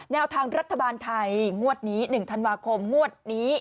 แนวทางรัฐบาลไทยงวดนี้๑ธันวาคมงวดนี้